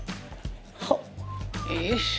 はっ！よいしょ。